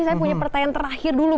saya punya pertanyaan terakhir dulu